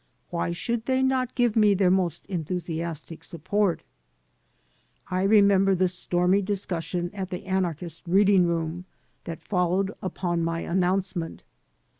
Why should they not give me their most enthusiastic support? I remember the stormy discussion at the anarchist reading room that followed upon my announcement.